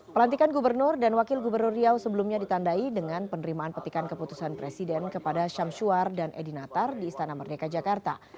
pelantikan gubernur dan wakil gubernur riau sebelumnya ditandai dengan penerimaan petikan keputusan presiden kepada syamsuar dan edi natar di istana merdeka jakarta